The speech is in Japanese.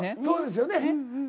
そうですよね。